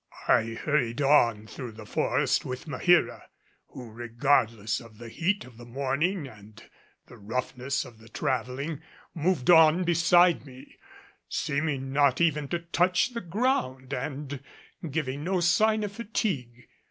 I hurried on through the forest with Maheera; who, regardless of the heat of the morning and the roughness of the traveling, moved on beside me, seeming not even to touch the ground and giving no sign of fatigue.